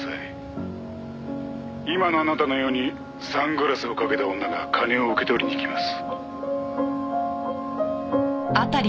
「今のあなたのようにサングラスをかけた女が金を受け取りに行きます」